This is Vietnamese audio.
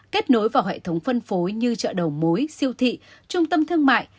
kết nối vào hệ thống phân phối như chợ đầu mối siêu thị trung tâm thương mại